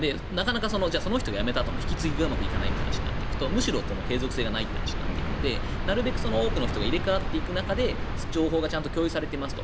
その人が辞めたあとの引き継ぎがうまくいかないという話になるとむしろ継続性がないとなるのでなるべく多くの人が入れ替わっていく中で情報がちゃんと共有されていますと。